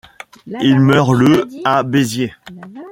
Il meurt le à Béziers.